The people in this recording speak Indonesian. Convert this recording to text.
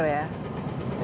hanya dua meter ya